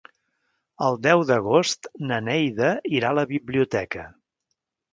El deu d'agost na Neida irà a la biblioteca.